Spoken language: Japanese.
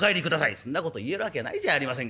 そんな事言える訳ないじゃありませんか」。